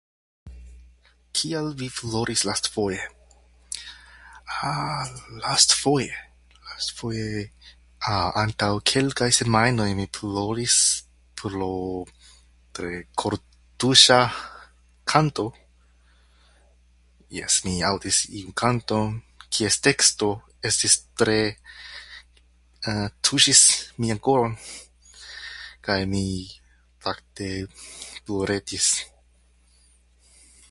Kial vi ploris lastfoje? [disfluency|Ah...] lastfoje... latfoje. A- antaŭ kelkaj semajnoj mi ploris pro tre kortuŝa kanto. Jes, mi aŭdis iun kanton, kies teksto estis tre... [disfluency|E] tuŝis mian koron kaj mi fakte ploretis.